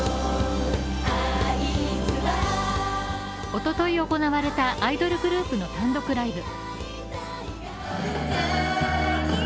おととい行われたアイドルグループの単独ライブ。